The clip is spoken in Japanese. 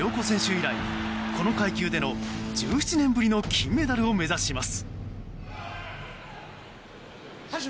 以来この階級での１７年ぶりの金メダルを目指します。